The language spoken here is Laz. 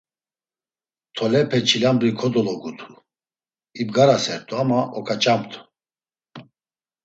Tolepe çilambri kodologutu, ibgarasert̆u ama oǩaçamt̆u.